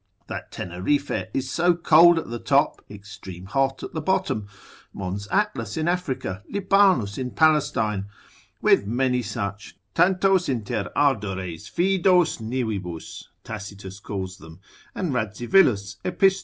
That Tenerife is so cold at the top, extreme hot at the bottom: Mons Atlas in Africa, Libanus in Palestine, with many such, tantos inter ardores fidos nivibus, Tacitus calls them, and Radzivilus epist.